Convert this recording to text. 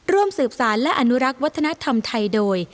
ร่วมสืบสารและอนุรักษ์วัฒนธรรมไทยโดย